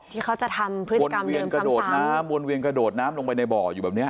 ที่เขาจะทำพฤติกรรมวนเวียนกระโดดน้ำวนเวียนกระโดดน้ำลงไปในบ่ออยู่แบบนี้